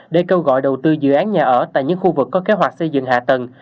để kêu gọi đầu tư dự án nhà ở tại những khu vực có kế hoạch xây dựng hạ tầng